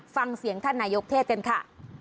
ฟังเสียงท่านนายกเทศกันค่ะ